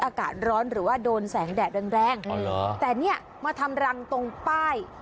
อากาศร้อนหรือว่าโดนแสงแดดแรงแรงแต่เนี่ยมาทำรังตรงป้าย